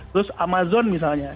terus amazon misalnya